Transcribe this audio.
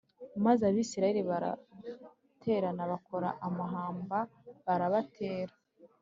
Maze Abisirayeli baraterana, bakora amahamba barabatera